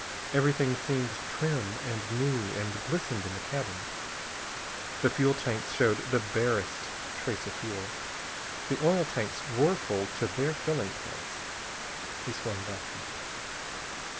Everything seemed trim and new and glistening in the cabin. The fuel tanks showed the barest trace of fuel. The oil tanks were full to their filling plugs. He swung back up.